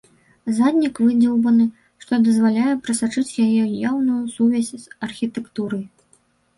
Заднік выдзеўбаны, што дазваляе прасачыць яе яўную сувязь з архітэктурай.